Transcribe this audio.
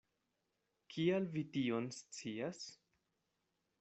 Kial vi tion scias?